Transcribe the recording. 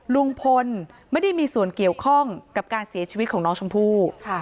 ลุงพลไม่ได้มีส่วนเกี่ยวข้องกับการเสียชีวิตของน้องชมพู่